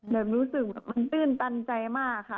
แบบรู้สึกแบบมันตื้นตันใจมากค่ะ